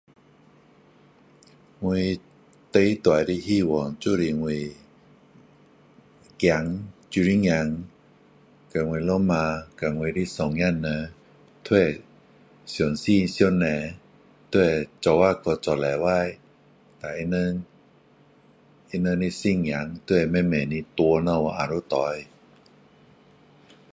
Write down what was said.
我最大的希望就是我儿女儿和我老婆和我的孙子们都会相信上帝都会一起去做礼拜然后他们他们的信仰都会慢慢的传下去下一代